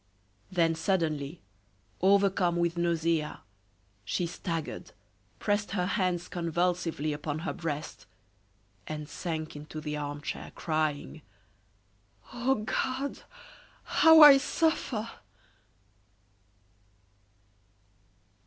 Then suddenly, overcome with nausea, she staggered, pressed her hands convulsively upon her breast, and sank into the armchair, crying: "Oh, God! how I suffer!"